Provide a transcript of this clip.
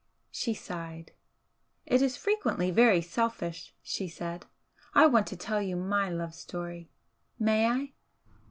She sighed. "It is frequently very selfish," she said "I want to tell you my love story may I?"